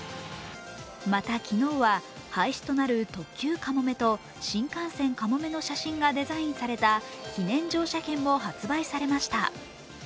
また、昨日は廃止となる特急かもめと新幹線かもめの写真がデザインされた記念乗車券も発売されました。